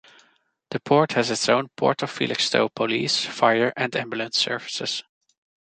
The port has its own Port of Felixstowe Police, fire, and ambulance services.